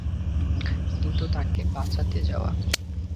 কিন্তু তাকে বাঁচাতে যাওয়া।